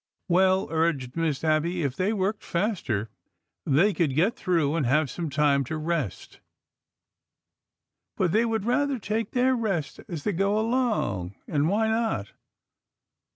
" Well," urged Miss Abby, " if they worked faster they could get through and have some time to rest." " But they would rather take their rest as they go along. And why not?